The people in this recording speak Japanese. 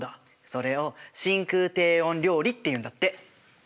それを真空低温料理っていうんだって。